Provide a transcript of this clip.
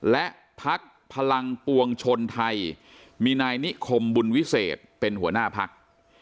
และพักพลังปวงชนไทยมีนายนิคมบุญวิเศษเป็นหัวหน้าพัก